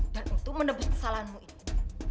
dan untuk menebus kesalahanmu ini